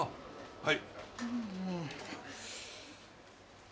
はい！